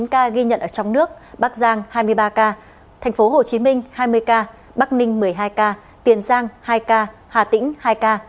một mươi ca ghi nhận ở trong nước bắc giang hai mươi ba ca tp hcm hai mươi ca bắc ninh một mươi hai ca tiền giang hai ca hà tĩnh hai ca